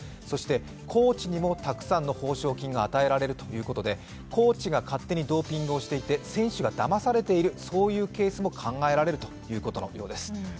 そしてコーチにもたくさんの報奨金が与えられるということでコーチが勝手にドーピングをしていて選手がだまされているというケースも考えられるということのようです。